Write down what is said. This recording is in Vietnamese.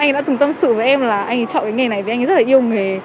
anh ấy đã từng tâm sự với em là anh ấy chọn cái nghề này vì anh ấy rất là yêu nghề